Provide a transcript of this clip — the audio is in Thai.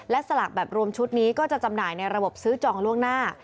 สลากแบบรวมชุดนี้ก็จะจำหน่ายในระบบซื้อจองล่วงหน้า